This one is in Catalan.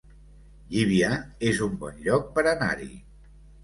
Llívia es un bon lloc per anar-hi